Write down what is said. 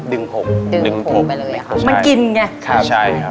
ดึงหกดึงหกไปเลยครับใช่ใช่ครับมันกินไง